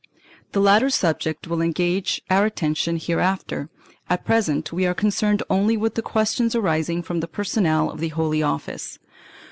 This latter subject will engage our attention hereafter; at present we are concerned only with the questions arising from the personnel of the Holy Office.